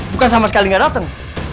bukan sama sekali gak dateng